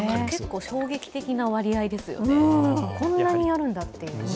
結構衝撃的な割合ですよね、こんなにあるんだっていう。